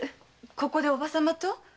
ここでおば様と？